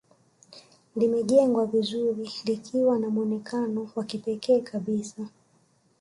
Limejengwa vizuri likiwa na mwonekano wa kipekee kabisa